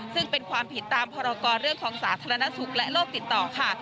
ซึ่งเป็นความผิดตามพรกรเรื่องของสาธารณสุขและโลกติดต่อค่ะ